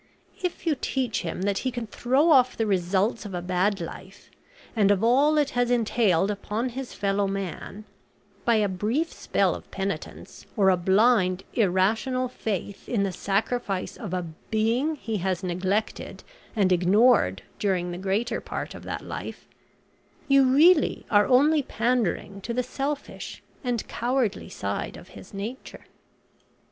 If you teach him that he can throw off the results of a bad life, and of all it has entailed upon his fellow man, by a brief spell of penitence, or a blind, irrational faith in the sacrifice of a Being he has neglected and ignored during the greater part of that life, you really are only pandering to the selfish and cowardly side of his nature."